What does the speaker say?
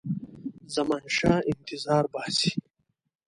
زمانشاه انتظار باسي.